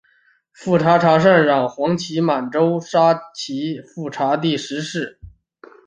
富察善属镶黄旗满洲沙济富察氏第十世。